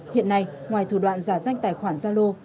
hiện nay ngoài thủ đoạn giả danh tài khoản gia lô